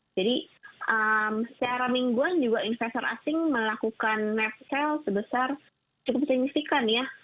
jadi searah mingguan juga investor asing melakukan net sale sebesar cukup signifikan ya